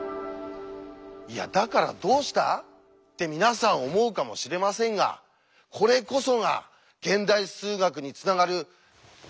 「いやだからどうした？」って皆さん思うかもしれませんがこれこそが現代数学につながる大進歩だったんですよ！